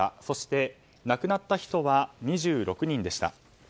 そして亡くなった人は２６人でした。